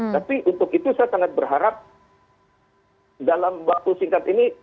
tapi untuk itu saya sangat berharap dalam waktu singkat ini